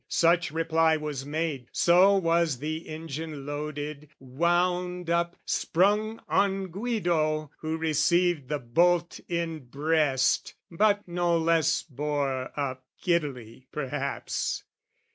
Such reply was made, So was the engine loaded, wound up, sprung On Guido, who received the bolt in breast; But no less bore up, giddily perhaps.